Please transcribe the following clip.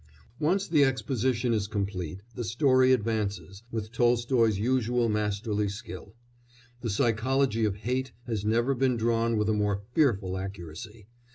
Once the exposition is complete the story advances with Tolstoy's usual masterly skill. The psychology of hate has never been drawn with a more fearful accuracy.